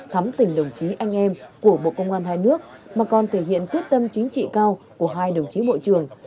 thắm tình đồng chí anh em của bộ công an hai nước mà còn thể hiện quyết tâm chính trị cao của hai đồng chí bộ trưởng